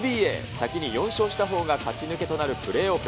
先に４勝したほうが勝ち抜けとなるプレーオフ。